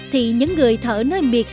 thì những người thở nơi miệt